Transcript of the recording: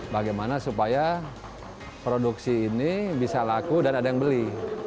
bagaimana supaya produksi ini bisa laku dan ada yang beli